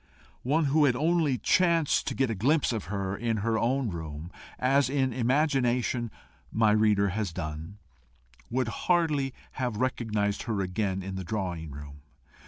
One who had only chanced to get a glimpse of her in her own room, as in imagination my reader has done, would hardly have recognised her again in the drawing room.